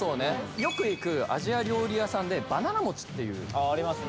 よく行くアジア料理屋さんでバナナ餅っていう・ありますね